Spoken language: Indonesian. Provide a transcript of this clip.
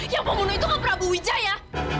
ya pembunuh itu enggak prabu wijaya